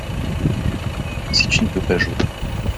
Si tu ne peux pas jouer.